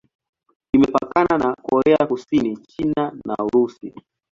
Imepakana na Korea Kusini, China na Urusi.